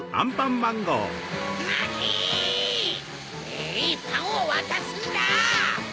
えいパンをわたすんだ！